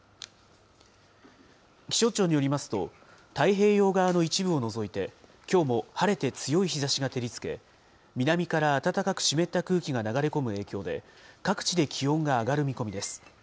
気象庁によりますと、太平洋側の一部を除いて、きょうも晴れて強い日ざしが照りつけ、南から暖かく湿った空気が流れ込む影響で、各地で気温が上がる見込みです。